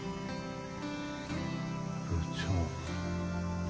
部長。